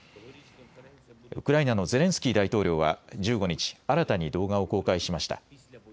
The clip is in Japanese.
ウクライナのゼレンスキー大統領は１５日、新たに動画を公開しました。